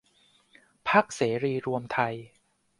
พรรคเสรีรวมไทย